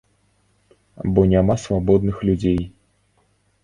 Бо няма свабодных людзей.